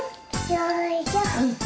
よいしょ。